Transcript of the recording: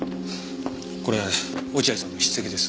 これ落合さんの筆跡です。